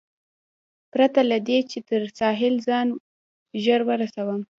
پرته له دې، چې تر ساحل ځان ژر ورسوم.